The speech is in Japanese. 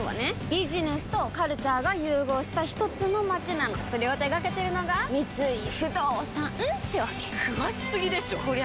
ビジネスとカルチャーが融合したひとつの街なのそれを手掛けてるのが三井不動産ってわけ詳しすぎでしょこりゃ